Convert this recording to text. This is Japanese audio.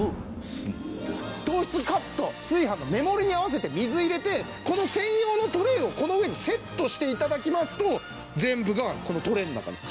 糖質カット炊飯の目盛りに合わせて水入れてこの専用のトレーをこの上にセットして頂きますと全部がこのトレーの中に。